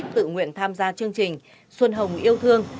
tự nguyện tham gia chương trình xuân hồng yêu thương